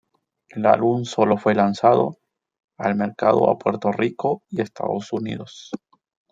El álbum sólo fue lanzado al mercado a Puerto Rico y Estados Unidos.